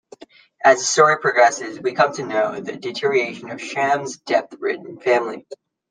As the story progresses, we come to know the deterioration of Shyam's debt-ridden family.